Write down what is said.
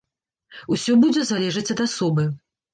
Усё будзе залежаць ад асобы.